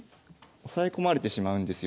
押さえ込まれてしまうんですよ